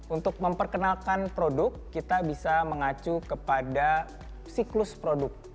untuk memperkenalkan produk kita bisa mengacu kepada siklus produk